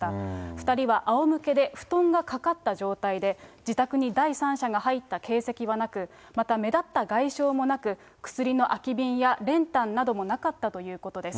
２人はあおむけで、布団がかかった状態で、自宅に第三者が入った形跡はなく、また目立った外傷もなく、薬の空き瓶や練炭などもなかったということです。